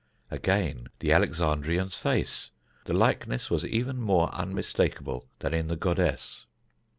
Again the Alexandrian's face the likeness was even more unmistakable than in the goddess.